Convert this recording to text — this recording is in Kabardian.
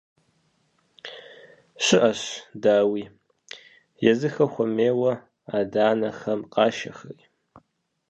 ЩыӀэщ, дауи, езыхэр хуэмейуэ адэ-анэхэм къашэхэри.